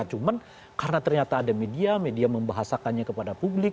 cuma karena ternyata ada media media membahasakannya kepada publik